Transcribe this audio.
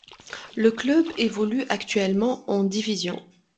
Le club évolue actuellement en division.